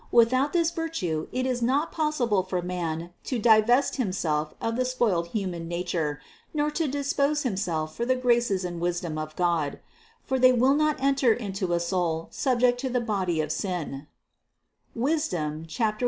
Without this virtue it is not possible for man to divest himself of the spoiled hu man nature, nor to dispose himself for the graces and wisdom of God; for they will not enter into a soul sub ject to the body of sin (Wisdom 1, 4).